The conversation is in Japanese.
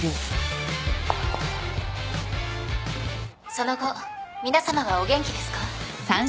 その後皆さまはお元気ですか？